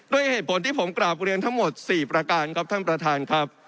ด้วยเหตุผลที่ผมกราบเรียนทั้งหมด๔ประการครับท่านประธานครับ